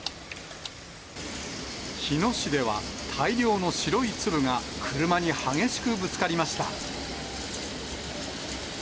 日野市では、大量の白い粒が車に激しくぶつかりました。